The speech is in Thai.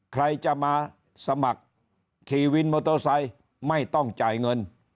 ใครจะมาสมัครขี่วินมอเตอร์ไซค์ไม่ต้องจ่ายเงิน